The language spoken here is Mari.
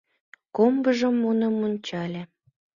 Комбыжо муным мунчале